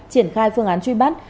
triển khai phương án truy bắt